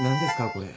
これ。